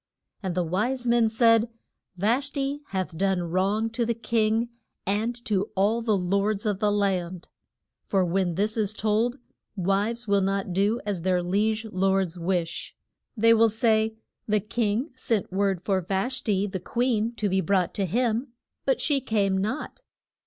And the wise men said, Vash ti hath done wrong to the king and to all the lords of the land. For when this is told, wives will not do as their liege lords wish. They will say, The king sent word for Vash ti, the queen, to be brought to him, but she came not.